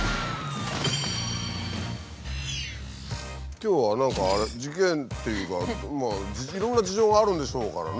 今日は何か事件っていうかいろんな事情があるんでしょうからね。